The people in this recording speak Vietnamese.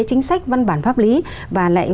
chính sách văn bản pháp lý và lại